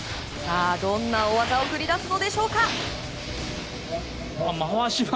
さあ、どんな大技を繰り出すのでしょうか。